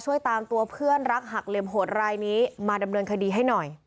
ตามตัวเพื่อนรักหักเหลี่ยมโหดรายนี้มาดำเนินคดีให้หน่อย